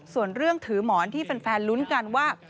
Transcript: ส่วนเรื่องถือหมอนที่แฟนลุ้นกันว่า